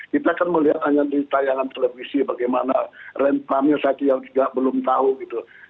kita kan melihat hanya di tayangan televisi bagaimana rentannya saja yang juga belum tahu gitu